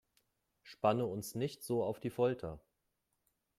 Spanne uns nicht so auf die Folter